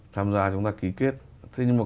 tham gia chúng ta ký kết thế nhưng mà